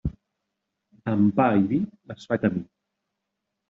Amb pa i vi es fa camí.